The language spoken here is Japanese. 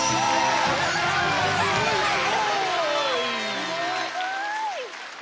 すごい！